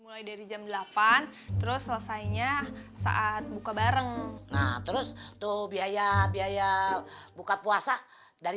mulai dari jam delapan terus selesainya saat buka bareng nah terus tuh biaya biaya buka puasa dari